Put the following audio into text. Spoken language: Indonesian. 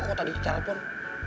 kok tadi kita telepon